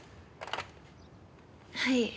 はい。